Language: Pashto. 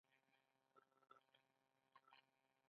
ایا زه لامبو وهلی شم؟